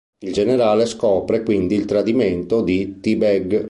Il Generale scopre quindi il tradimento di T-Bag.